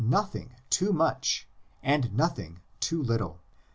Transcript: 71 nothing too much, and nothing too little.